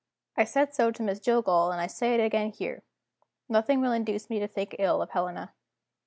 I said so to Miss Jillgall, and I say it again here. Nothing will induce me to think ill of Helena.